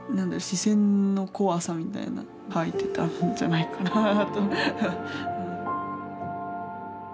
視線の怖さみたいな描いてたんじゃないかなあと。